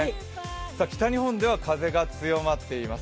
北日本では風が強まっています。